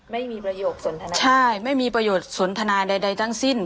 ไม่มีประโยคสนทนาใช่ไม่มีประโยชน์สนทนาใดทั้งสิ้น